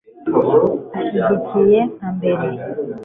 Ashyigikiye nka mbere